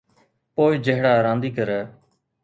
پوءِ جھڙا رانديگر.